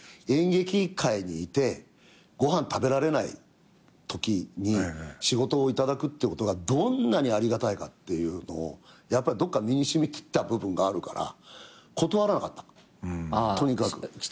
演劇界にいてご飯食べられないときに仕事を頂くってことがどんなにありがたいかっていうのをやっぱりどっか身に染みてった部分があるから断らなかったとにかく。